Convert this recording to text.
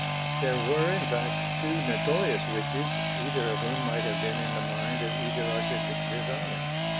There were in fact two notorious witches, either of whom might have been in the mind of either artistic designer.